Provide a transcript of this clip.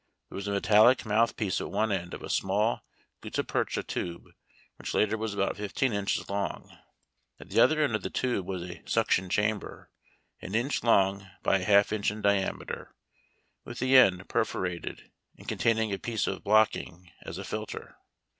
There was a metallic n^outh piece at one end of a small gutta percha tube, which latter was about fifteen inches long. At the other end of the tube was a suction chamber, an inch long by a half inch in diameter, with the end perforated, and con taining a piece of booking as a filter.